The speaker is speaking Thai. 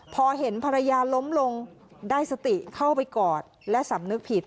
พอเห็นภรรยาล้มลงได้สติเข้าไปกอดและสำนึกผิด